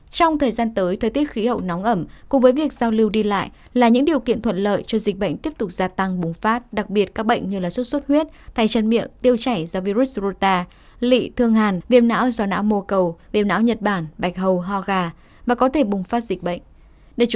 trong thời gian tới thời tiết khí hậu nóng ẩm cùng với việc giao lưu đi lại là những điều kiện thuận lợi cho dịch bệnh tiếp tục gia tăng bùng phát đặc biệt các bệnh như sốt xuất huyết tay chân miệng tiêu chảy do virus rota lị thương hàn viêm não do não mô cầu viêm não nhật bản bạch hầu ho gà và có thể bùng phát dịch bệnh